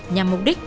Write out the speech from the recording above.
nhằm mục đích